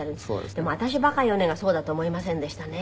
でも「私バカよね」がそうだと思いませんでしたね。